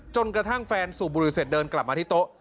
จนกระทั่งแฟนสูบบุหรี่เสร็จเดินกลับมาที่โต๊ะ